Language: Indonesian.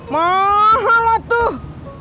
mahal loh tuh